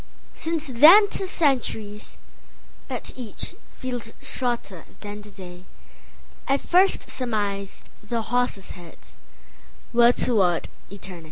Since then 'tis centuries; but eachFeels shorter than the dayI first surmised the horses' headsWere toward eternity.